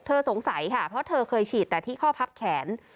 สงสัยค่ะเพราะเธอเคยฉีดแต่ที่ข้อพับแขน